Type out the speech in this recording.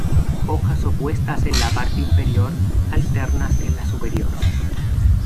Hojas opuestas en la parte inferior, alternas en la superior.